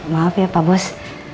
maaf ya pak bos